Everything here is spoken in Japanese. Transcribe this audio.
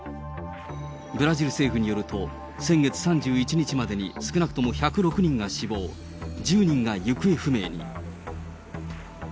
ブラジル政府によると、先月３１日までに少なくとも１０６人が死亡、１０人が行方不明に。